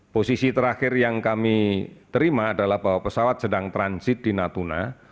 posisi terakhir yang kami terima adalah bahwa pesawat sedang transit di natuna